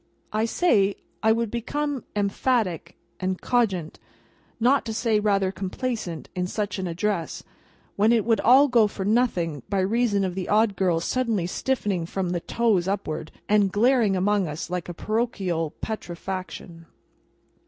—I say I would become emphatic and cogent, not to say rather complacent, in such an address, when it would all go for nothing by reason of the Odd Girl's suddenly stiffening from the toes upward, and glaring among us like a parochial petrifaction.